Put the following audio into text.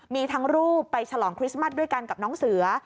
มีทั้งรูปไปฉลองคริสต์มัสด้วยกันกับน้องเสือ